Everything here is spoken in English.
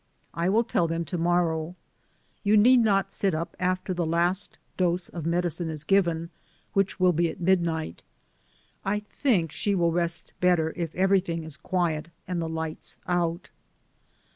I will tell them to morrow. You need not sit up after the last dose of medicine is given, which will be at midnight. I think she will rest better if everything is quiet, and the lights out."